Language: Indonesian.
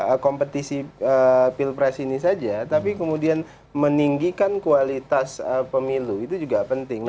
ada kompetisi pilpres ini saja tapi kemudian meninggikan kualitas pemilu itu juga penting